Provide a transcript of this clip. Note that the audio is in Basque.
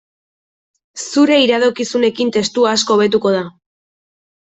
Zure iradokizunekin testua asko hobetuko da.